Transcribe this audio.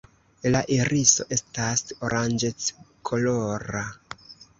La iriso estas oranĝeckolora.